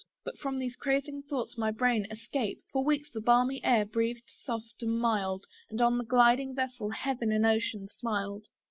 But from these crazing thoughts my brain, escape! For weeks the balmy air breathed soft and mild, And on the gliding vessel Heaven and Ocean smiled.